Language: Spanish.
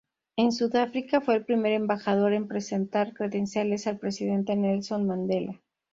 En Sudáfrica fue el primer embajador en presentar credenciales al presidente Nelson Mandela.